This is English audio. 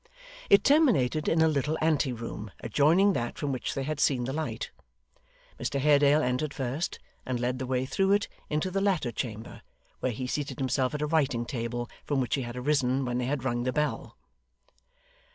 It terminated in a little ante room adjoining that from which they had seen the light. Mr Haredale entered first, and led the way through it into the latter chamber, where he seated himself at a writing table from which he had risen when they had rung the bell.